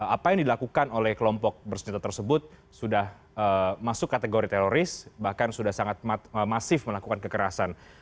apa yang dilakukan oleh kelompok bersenjata tersebut sudah masuk kategori teroris bahkan sudah sangat masif melakukan kekerasan